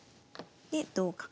で同角。